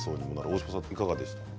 大島さん、いかがですか。